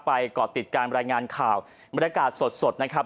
ไปก่อติดการบริการข่าวบริการสดนะครับ